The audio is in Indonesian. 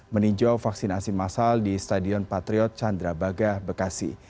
meninjau vaksinasi masal di stadion patriot candrabaga bekasi